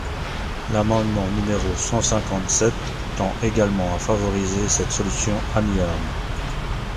L’amendement numéro cent cinquante-sept tend également à favoriser cette solution amiable.